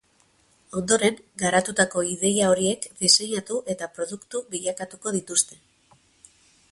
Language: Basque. Ondoren, garatutako ideia horiek diseinatu eta produktu bilakatuko dituzte.